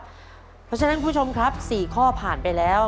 เพราะฉะนั้นคุณผู้ชมครับ๔ข้อผ่านไปแล้ว